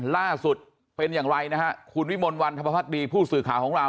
ล่าสุดเป็นอย่างไรนะฮะคุณวิมลวันธรรมภักดีผู้สื่อข่าวของเรา